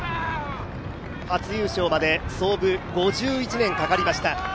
初優勝まで創部５１年かかりました。